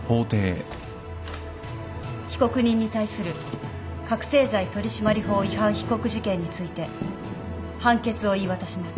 被告人に対する覚醒剤取締法違反被告事件について判決を言い渡します。